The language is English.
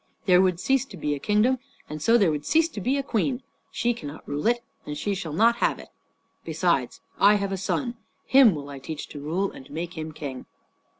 There would cease to be a kingdom, and so there would cease to be a queen. She cannot rule it, and she shall not have it. Besides, I have a son. Him will I teach to rule and make him king."